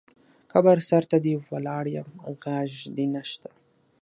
قبر سرته دې ولاړ یم غږ دې نه شــــته